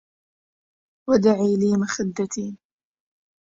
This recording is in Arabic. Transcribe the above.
ودعي لي مخدَّتي